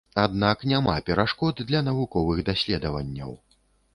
Аднак няма перашкод для навуковых даследаванняў.